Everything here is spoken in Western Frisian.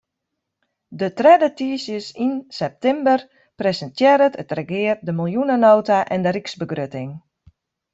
De tredde tiisdeis yn septimber presintearret it regear de miljoenenota en de ryksbegrutting.